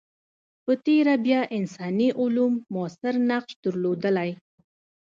په تېره بیا انساني علوم موثر نقش درلودلی.